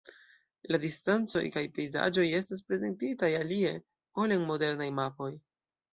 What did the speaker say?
La distancoj kaj pejzaĝoj estas prezentitaj alie, ol en modernaj mapoj.